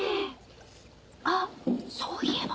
あっそういえば。